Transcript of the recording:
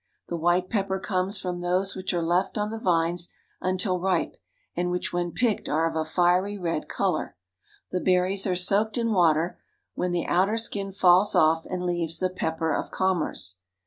The white pepper comes from those which are left on the vines until ripe, and which when picked are of a fiery red color. The berries are SINGAPORE AND THE MALAYS 207 soaked in water, when the outer skin falls off and leaves the pepper of commerce.